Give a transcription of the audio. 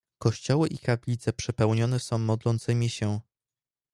"Kościoły i kaplice przepełnione są modlącymi się."